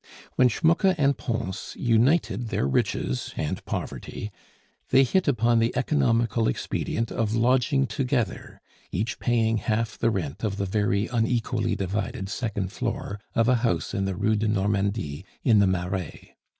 When Schmucke and Pons united their riches and poverty, they hit upon the economical expedient of lodging together, each paying half the rent of the very unequally divided second floor of a house in the Rue de Normandie in the Marais.